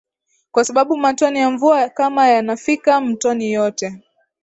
kwa sababu matone ya mvua kama yanafika mtoni yote